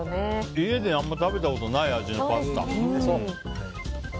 家であんまり食べたことない味のパスタ。